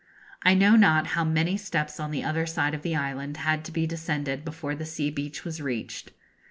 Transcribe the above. I know not how many steps on the other side of the island had to be descended before the sea beach was reached.